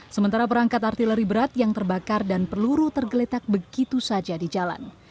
sementara perangkat artileri berat yang terbakar dan peluru tergeletak begitu saja di jalan